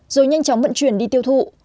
rồi nhanh chóng vận chuyển đi tiêu thụ